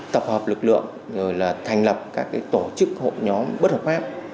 tập hợp lực lượng thành lập các tổ chức hộ nhóm bất hợp pháp